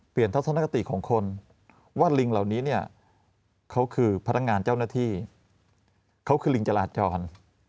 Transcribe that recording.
ทัศนคติของคนว่าลิงเหล่านี้เนี่ยเขาคือพนักงานเจ้าหน้าที่เขาคือลิงจราจร